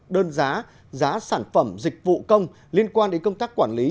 đơn giá giá sản phẩm dịch vụ công liên quan đến công tác quản lý